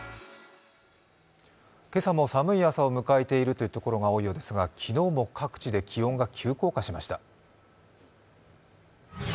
今朝も寒い朝を迎えているというところが多いですが昨日も各地で気温が急降下しました。